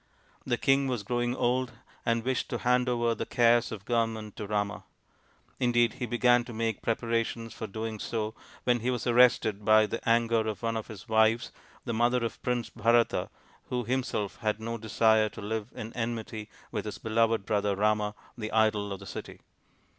The king was growing old and wished to hand over the cares of government to Rama. Indeed he began to make preparations for doing so when he was arrested by the anger of one of his wives, the mother of Prince Bharata, who him self had no desire to live in enmity with his beloved brother Rama, the idol of the city.